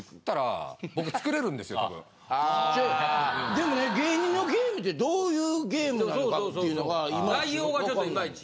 でもね芸人のゲームってどういうゲームなのかっていうのがいまいち。